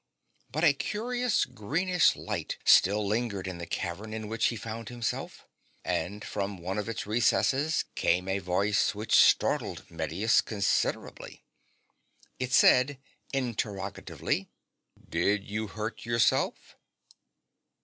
But a curious greenish light still lingered in the cavern in which he found himself, and from one of its recesses came a voice which startled Mettus considerably. It said interrogatively :' Did you hurt yourself